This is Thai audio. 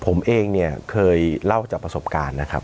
ผมเองเนี่ยเคยเล่าจากประสบการณ์นะครับ